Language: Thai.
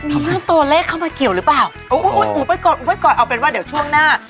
เอาเป็นว่าเดี๋ยวช่วงหน้า